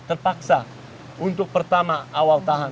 terpaksa untuk pertama awal tahan